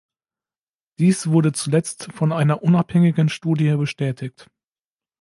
Dies wurde zuletzt von einer unabhängigen Studie bestätigt.